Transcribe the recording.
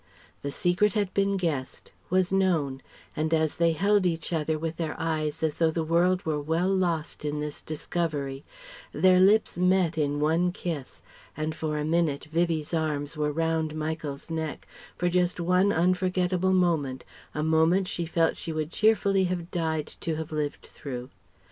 The secret had been guessed, was known; and as they held each other with their eyes as though the world were well lost in this discovery, their lips met in one kiss, and for a minute Vivie's arms were round Michael's neck, for just one unforgettable moment, a moment she felt she would cheerfully have died to have lived through.